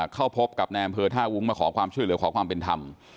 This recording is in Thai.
เข้าพบกับแนมเผอร์ท่าวุ้งมาขอความช่วยหรือขอความเป็นธรรม